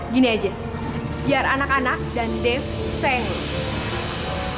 gini aja biar anak anak dan dev sayangin